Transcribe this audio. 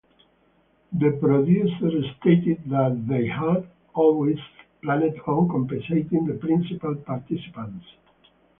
The producers stated that they had always planned on compensating the principal participants.